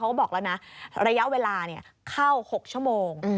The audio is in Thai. เขาบอกแล้วนะระยะเวลาเข้า๖ชั่วโมง